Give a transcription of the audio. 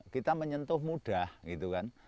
kita menyentuh mudah gitu kan